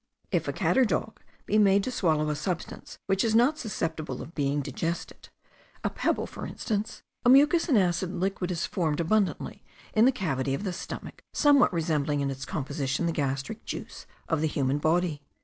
If a cat or dog be made to swallow a substance which is not susceptible of being digested, a pebble for instance, a mucous and acid liquid is formed abundantly in the cavity of the stomach, somewhat resembling in its composition the gastric juice of the human body.